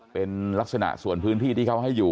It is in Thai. เป็นลักษณะส่วนพื้นที่ที่เขาให้อยู่